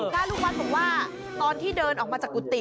ลูกวัดบอกว่าตอนที่เดินออกมาจากกุฏิ